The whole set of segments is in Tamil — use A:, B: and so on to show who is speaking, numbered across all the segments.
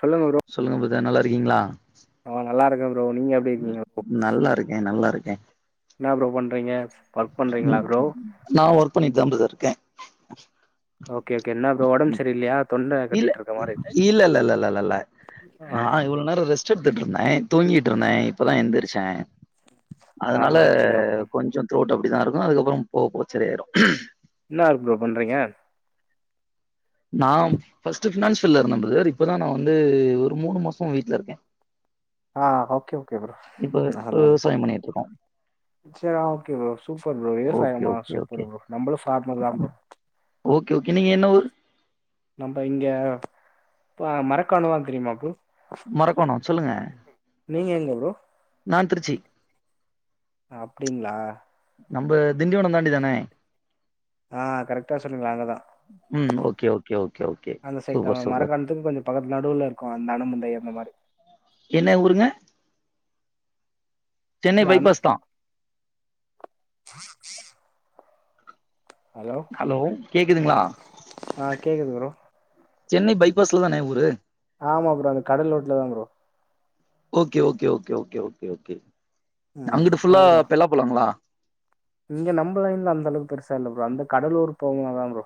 A: சொல்லுங்க ப்ரோ
B: சொல்லுங்க பதர் நல்லாருகீங்ளா
A: ஈ நல்லாருக்க ப்ரோ நீங்க எப்டி இருக்கீங்க
B: நல்லாருக்கே நல்லாருக்கே
A: ன்னா ப்ரோ பண்றீங்க ஒர்க் பண்றீங்களா
B: ம்
A: ப்ரோ
B: நா ஒர்க் பண்ணிட்டு தா பதர் இர்க்க
A: ஓக்கே ஓக்கே என்னா ப்ரோ ஒடம் சரில்லியா
B: இல்ல இல்லல் லல்லல் லல் லல்ல
A: ஆ
B: நா இவ்ளோ நேரோ ரெஸ் சுட்டுதுட்ருந்த தூங்கிட்ருந்தே இப்பதா எந்துருச்ச
A: ஆ
B: அதுனால
A: ஆ சரி ஓகே
B: கொஞ்சொ த்ரோட் அப்டிதாருக்கு அதுக்கப்றோ போ போ சரியாயிரு
A: இன்னா ஒர்க் ப்ரோ பண்றீங்க
B: நா ஃபர்ஸ்ட்டு ஃபினான்ஸுல்ல இருந்த பிரதர் இப்பதா நா வந்து ஒரு மூணு மாசோ வீட்லருக்கே
A: ஆ ஓகே ஓகே ப்ரோ
B: இப்ப வெ விவசாயோ பண்ணிட்ருக்கோ
A: செர் okay bro super bro
B: okay
A: விவசாயமா
B: ஓகே ஓகே
A: சூப்பர் ப்ரோ நம்பளு ஸ்டார்ட் பண்லா ப்ரோ
B: ஓக்கே ஓக்கே நீங்க என்ன ஊரு
A: நம்ப இங்க ப மரக்கானுவா தெரியுமா ப்ரோ
B: மரக்கோனொ சொல்லுங்க
A: நீங்க எங்க ப்ரோ
B: நா திருச்சி
A: அப்டிங்களா
B: நம்ப திண்டிவனோ தாண்டி தானே
A: அ கரெக்ட்டா சொன்னீங்க அங்கதா
B: ம் ஓகே ஓகே ஓகே ஓகே
A: அந்த சைட் தா
B: சூப்பர் சூப்பர்
A: மரக்கானத்துக் கொஞ்சொ பக்கத் நடுவுல இருக்கு அந்த எடமு ந்த இடமு மாரி
B: என்ன ஊருங்க சென்னை
A: இந்த அணு
B: பைபாஸ் தா
A: ஹலோ
B: ஹலோ கேக்குதுங்ளா
A: அ கேக்குது ப்ரோ
B: சென்னை பைபாஸ்ல தானெ ஊரு
A: ஆமா ப்ரோ அந்த கடல் ஓட்ல தா bro
B: okay okay okay okay okay okay
A: ம்.
B: அங்குட்டு
A: ஆ
B: ஃபுல்லா
A: ப்ரோ.
B: பெல்லா பலங்ளா
A: இங்க நம்ப லைன்ல அந்தளவு பெருசா இல்ல ப்ரோ அந்த கடலூர் போங்க தா ப்ரோ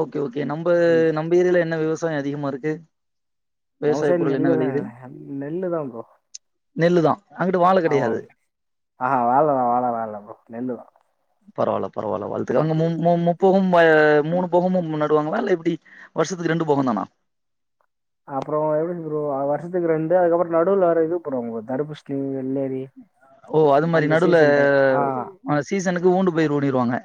B: ஓக்கே ஓக்கே நம்ப
A: அந்த
B: நம்ப ஏரியால என்ன விவசாய அதிகமாருக்கு
A: நம்ம சைடு நெல்லுதெ நெல்லு தா ப்ரோ
B: நெல்லு தா அங்கிட்டு வாழ
A: ஆம்மா
B: கெடையாது
A: அ வாழ வாழலா இல்ல ப்ரோ நெல்லு தா
B: பரவால்ல பரவால்ல வாழ்த்துகள் அங்க மு மு மு போகும் ப மூணு போகமும் நடுவாங்கலா இல்ல எப்டி வருஷத்துக்கு ரெண்டு போகொந்தானா
A: அப்பற எப்டி ப்ரோ வருஷத்துக்கு ரெண்டு அதுக்கப்பற நடுவுல வேர இது போடுவாங்கோ ப்ரோ தடுப்புஸ்லி வெள்ளரி
B: ஓ அது மாரி
A: அந்த
B: நடுல
A: சீசன் டைம். ஆ
B: அ சீசனுக்கு ஊண்டு பயிரு ஊணிருவாங்க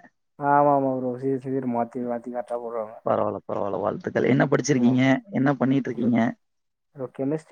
A: ஆமாமா ப்ரோ. சீசன் சீசன் மாத்தி மாத்தி கரெக்ட்டா போடுவாங்க.
B: பரவால்ல பரவால்ல வாழ்த்துக்கள் என்ன
A: ம்.
B: படிச்சிருக்கீங்க என்ன பண்ணிட்ருக்கீங்க
A: ஓ கெமிஸ்ட்